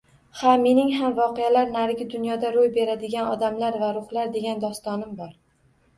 Ha, mening ham voqealar narigi dunyoda roʻy beradigan Odamlar va ruhlar degan dostonim bor